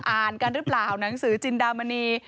อ่านกันหรือเปล่าหนังสือจินดามณี